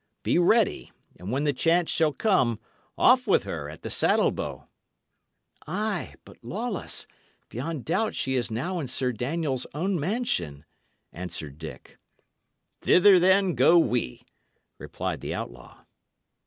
Be ready; and when the chance shall come, off with her at the saddle bow." "Ay, but, Lawless, beyond doubt she is now in Sir Daniel's own mansion." answered Dick. "Thither, then, go we," replied the outlaw.